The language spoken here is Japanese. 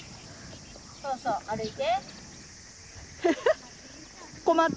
そうそう歩いて。